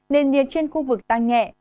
nền nhiệt trên khu vực tăng nhẹ